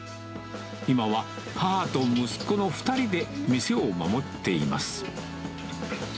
今は母と息子の２人で店を守っています。